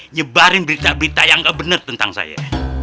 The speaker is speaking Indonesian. nyebarin berita berita yang gak bener tentang saya